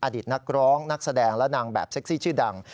อดีตนักร้องนักแสดงและนางแบบเซ็กซี่ชื่อดัง